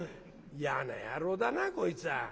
「嫌な野郎だなこいつは。